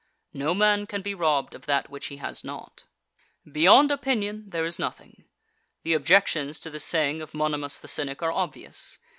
No man can be robbed of that which he has not. 15. Beyond opinion there is nothing. The objections to this saying of Monimus the Cynic are obvious.